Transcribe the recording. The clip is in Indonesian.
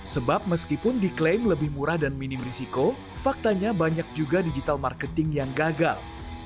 sebab meskipun diklaim lebih murah dan minim risiko faktanya banyak juga digital marketing yang gagal